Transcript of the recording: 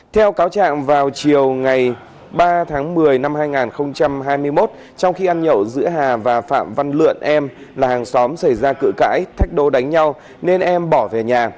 theo cáo trạng vào chiều ngày ba tháng một mươi năm hai nghìn hai mươi một trong khi ăn nhậu giữa hà và phạm văn lượn em là hàng xóm xảy ra cự cãi thách đố đánh nhau nên em bỏ về nhà